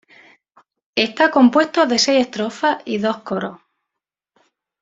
Está compuesto de seis estrofas y dos coros.